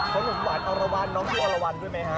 ขนมหวานอารวันน้องชื่ออารวันด้วยไหมฮะ